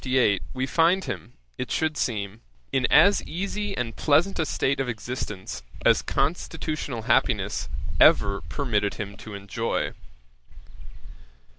] In 1758 we find him, it should seem, in as easy and pleasant a state of existence, as constitutional unhappiness ever permitted him to enjoy.